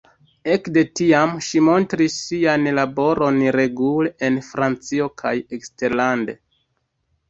Ekde tiam, ŝi montris sian laboron regule en Francio kaj eksterlande.